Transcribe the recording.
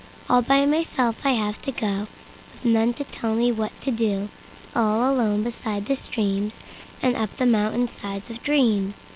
All by myself I have to go, With none to tell me what to do—All alone beside the streamsAnd up the mountain sides of dreams.